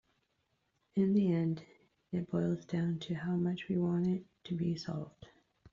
In the end it boils down to how much we want it to be solved.